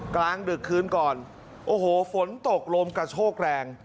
กลางดึกคืนก่อนโอ้โหฝนตกลมกระโชกแรง